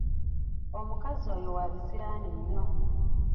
Omukazi oyo wabisiraani nnyo!